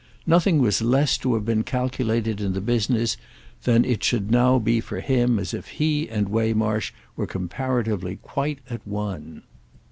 Nothing was less to have been calculated in the business than that it should now be for him as if he and Waymarsh were comparatively quite at one.